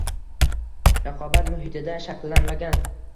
Raqobat muhitida shakllanmagan